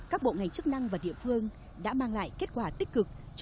các bộ ngành chức năng và địa phương đã mang lại kết quả tích cực